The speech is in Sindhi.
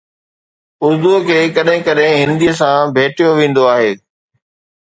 اردو کي ڪڏهن ڪڏهن هندي سان ڀيٽيو ويندو آهي